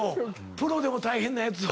プロでも大変なやつを。